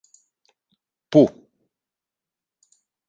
Πού;